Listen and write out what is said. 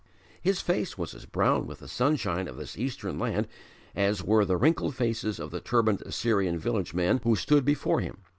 His face was as brown with the sunshine of this eastern land as were the wrinkled faces of the turbaned Assyrian village men who stood before him.